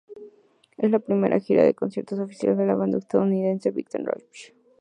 Es la primera gira de conciertos oficial de la banda estadounidense Big Time Rush.